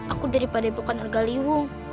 aku daripada bukan erga liwung